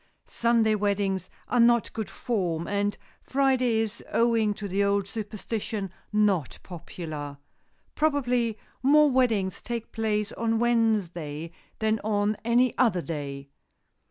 Sunday weddings are not good form, and Friday is, owing to the old superstition, not popular. Probably more weddings take place on Wednesday than on any other day.